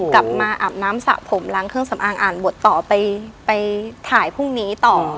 อาบน้ำสระผมล้างเครื่องสำอางอ่านบทต่อไปไปถ่ายพรุ่งนี้ต่อ